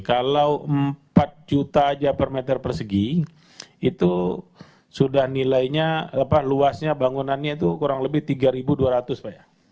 kalau empat juta aja per meter persegi itu sudah nilainya luasnya bangunannya itu kurang lebih tiga dua ratus pak ya